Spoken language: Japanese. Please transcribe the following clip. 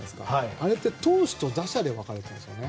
あれって投手と打者で分かれてるんですよね。